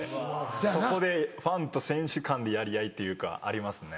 そこでファンと選手間でやり合いというかありますね。